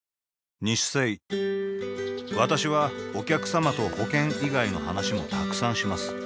私はお客様と保険以外の話もたくさんします